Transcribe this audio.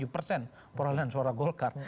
perhalan suara golkar